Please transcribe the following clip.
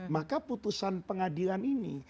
maka putusan pengadilan ini